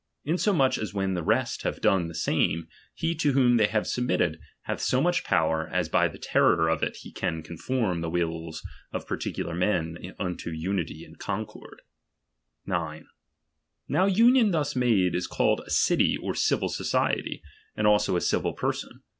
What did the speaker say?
Insomuch as when the rest have done the same, he to whom they have submitted, hath so much power, as by the terror of it he can conform the wills of particular men unto unity and concord, 9. Now union thus made, is called a city or civil ■wun* «"" society ; and also a civil person.